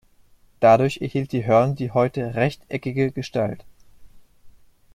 Dadurch erhielt die Hörn die heutige rechteckige Gestalt.